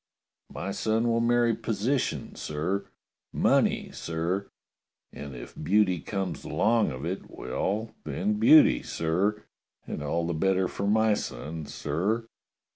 My son will marry position, sir — money, sir — and if beauty comes along of it, well, then, beauty, sir, and all the better for my son, sir."